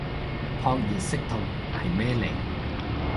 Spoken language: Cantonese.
撲熱息痛係咩嚟